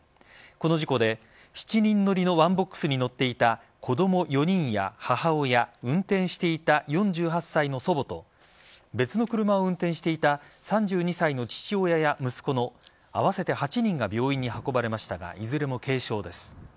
この事故で７人乗りのワンボックスカーに乗っていた、子供４人や母親運転していた４８歳の祖母と別の車を運転していた３２歳の父親や息子の合わせて８人が病院に運ばれましたがいずれも軽傷です。